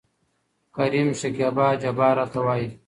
کريم : شکيبا جبار راته وايي.